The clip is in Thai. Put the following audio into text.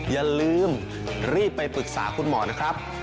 อย่าลืมรีบไปปรึกษาคุณหมอนะครับ